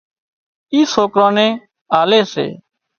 اِي سوڪران نين آلي سي